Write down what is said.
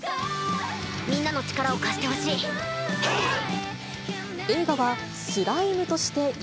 みんなの力を貸してほしい。